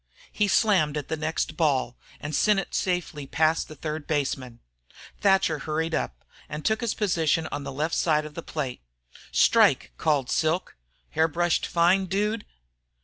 He slammed at the next ball and sent it safely past the third baseman. Thatcher hurried up and took his position on the left side of the plate. "Strike!" called Silk. "Hair brushed fine, Dude!"